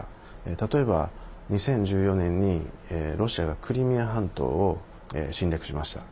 例えば２０１４年に、ロシアがクリミア半島を侵略しました。